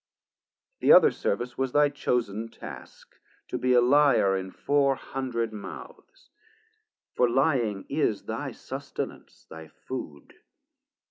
The other service was thy chosen task, To be a lyer in four hundred mouths; For lying is thy sustenance, thy food.